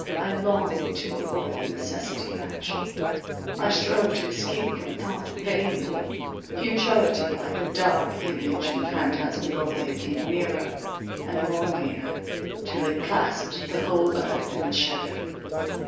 I longed to avoid the necessity of action; I strove to escape from thought—vainly—futurity, like a dark image in a phantasmagoria, came nearer and more near, till it clasped the whole earth in its shadow.